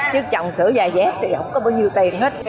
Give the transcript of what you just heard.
chứ chồng sửa vài vé thì không có bao nhiêu tiền hết